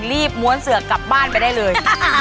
ม้วนเสือกกลับบ้านไปได้เลย